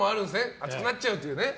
熱くなっちゃうという。